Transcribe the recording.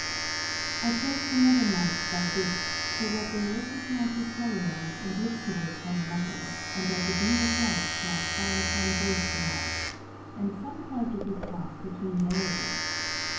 I placed another Knife by this, so that their edges might be parallel, and look towards one another, and that the beam of Light might fall upon both the Knives, and some part of it pass between their edges.